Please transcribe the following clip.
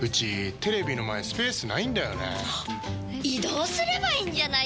移動すればいいんじゃないですか？